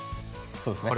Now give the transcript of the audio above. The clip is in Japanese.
そうですね。